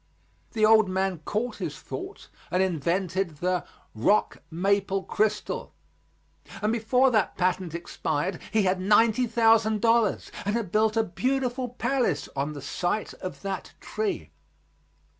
The old man caught his thought and invented the "rock maple crystal," and before that patent expired he had ninety thousand dollars and had built a beautiful palace on the site of that tree.